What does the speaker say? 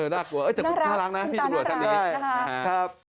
น่ารักคุณตาน่ารักนะครับ